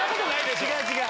違う、違う。